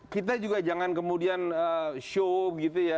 kita juga jangan kemudian show gitu ya